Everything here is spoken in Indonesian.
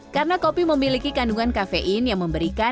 karena kopi memiliki kandungan kafein yang memberikan